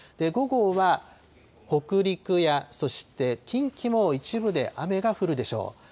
午後は北陸やそして近畿も一部で雨が降るでしょう。